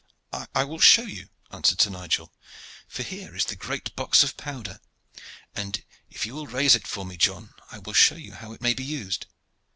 "I will show you," answered Sir Nigel; "for here is the great box of powder, and if you will raise it for me, John, I will show you how it may be used.